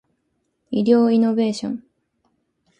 医療イノベーション